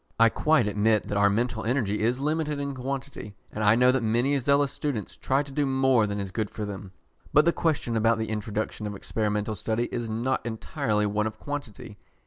I quite admit that our mental energy is limited in quantity, and I know that many zealous students try to do more than is good for them. But the question about the introduction of experimental study is not entirely one of quantity.